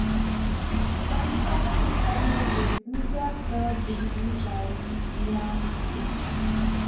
Pang started his career with Macau third division side Lai Chi.